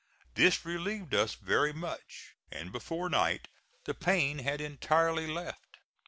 This relieved us very much, and before night the pain had entirely left.